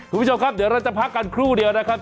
คุณผู้ชมครับเดี๋ยวเราจะพักกันครู่เดียวนะครับ